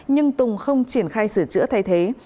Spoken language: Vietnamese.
nhưng tùng không triển khai sửa chữa thay thế